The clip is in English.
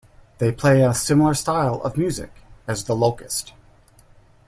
They play a similar style of music as The Locust.